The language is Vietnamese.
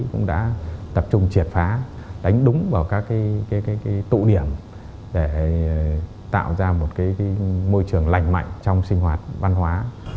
cũng đã tập trung triệt phá đánh đúng vào các tụ điểm để tạo ra một môi trường lành mạnh trong sinh hoạt văn hóa